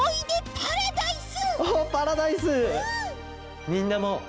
パラダイス！